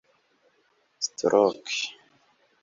stroke